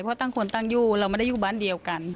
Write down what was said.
เพราะตั้งคนตั้งอยู่เราไม่ได้อยู่บ้านเดียวกัน